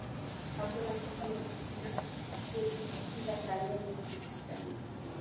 Hakuna kipimo kamili ila kanuni zinasema